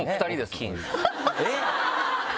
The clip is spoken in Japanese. えっ！